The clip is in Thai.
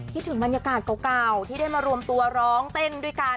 ถึงบรรยากาศเก่าที่ได้มารวมตัวร้องเต้นด้วยกัน